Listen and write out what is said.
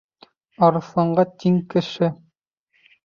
Арыҫланға тиң кеше.